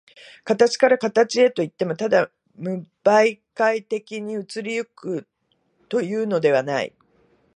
形から形へといっても、ただ無媒介的に移り行くというのではない。